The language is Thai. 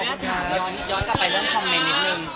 นี่มาช้าย้อนกลับไปนิดหนึ่ง